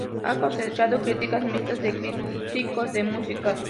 Ha cosechado críticas mixtas de los críticos de música.